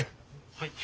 はい。